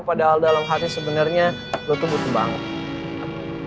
padahal dalam hati sebenernya lo tuh butuh banget